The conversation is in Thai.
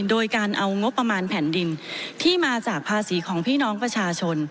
โดยการเอางบประมาณแผ่นดินที่มาจากภาษีของพี่น้องประชาชน